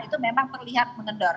itu memang terlihat mengendor